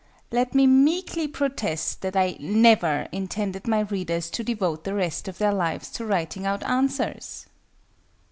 Let me meekly protest that I never intended my readers to devote the rest of their lives to writing out answers!